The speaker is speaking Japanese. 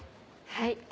はい。